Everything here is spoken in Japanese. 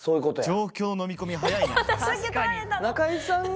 状況ののみ込み早いな。